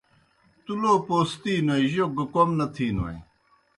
تُوْ لو پوستی نوئے جوک گہ کوْم نہ تِھینوئے۔